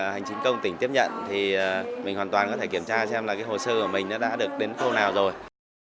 hành chính công tỉnh tiếp nhận thì mình hoàn toàn có thể kiểm tra xem là cái hồ sơ của mình nó đã được đến khâu nào rồi